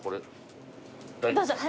どうぞ。